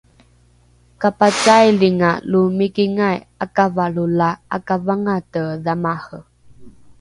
kapacailinga lo mikingai ’akavalro la ’akavangate dhamare